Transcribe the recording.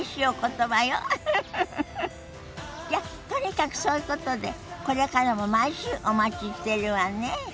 じゃあとにかくそういうことでこれからも毎週お待ちしてるわね。